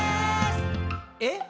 「え？